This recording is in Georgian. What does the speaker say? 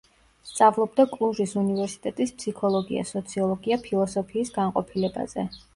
სწავლობდა კლუჟის უნივერსიტეტის ფსიქოლოგია, სოციოლოგია, ფილოსოფიის განყოფილებაზე.